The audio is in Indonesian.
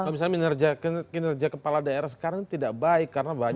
kalau misalnya kinerja kepala daerah sekarang tidak baik karena banyak